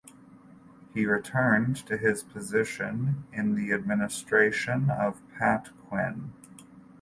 He returned to his position in the administration of Pat Quinn.